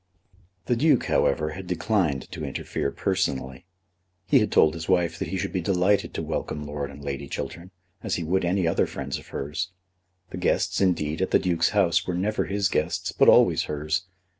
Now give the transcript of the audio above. The Duke, however, had declined to interfere personally. He had told his wife that he should be delighted to welcome Lord and Lady Chiltern, as he would any other friends of hers. The guests, indeed, at the Duke's house were never his guests, but always hers.